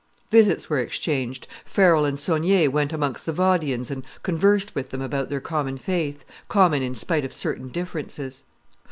Visits were exchanged Farel and Saunier went amongst the Vaudians and conversed with them about their common faith, common in spite of certain differences.